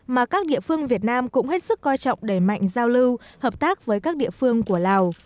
mà các địa phương việt nam cũng hết sức coi trọng đẩy mạnh giao lưu hợp tác với các địa phương của lào